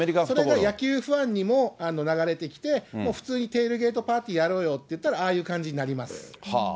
それが野球にも流れてきて、もう普通にテールゲートパーティーやろうといったら、ああいう感じになります。